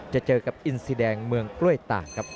จะเจอกับอินซีแดงเมืองกล้วยตากครับ